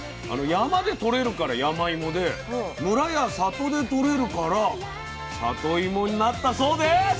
山でとれるからやまいもで村や里でとれるからさといもになったそうです。